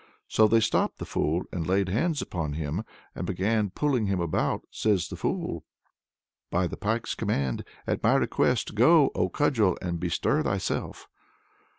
So they stopped the fool, laid hands upon him, and began pulling him about. Says the fool "By the Pike's command, at my request, go, O cudgel, and bestir thyself."